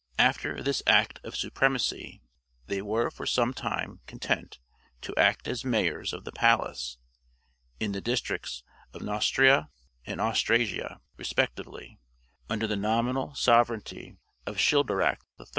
After this act of supremacy they were for some time content to act as Mayors of the Palace, in the districts of Neustria and Austrasia respectively, under the nominal sovereignty of Childeric III.